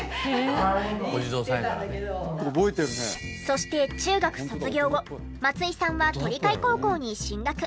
そして中学卒業後松井さんは鳥飼高校に進学。